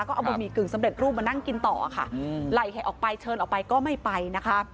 ก็เอาบะหมี่กึ่งสำเร็จรูปมานั่งกินต่อค่ะไหล่ให้ออกไปเชิญออกไปก็ไม่ไปนะคะ